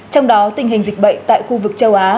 trong đó tình hình dịch bệnh tại khu vực châu á